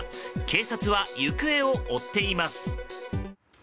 警察は行方を追っています。